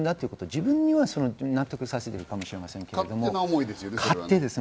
自分には納得させるかもしれませんけれど、勝手です。